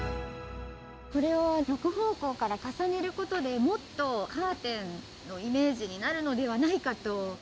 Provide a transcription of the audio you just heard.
これを６方向から重ねることで、もっとカーテンのイメージになるのではないかと。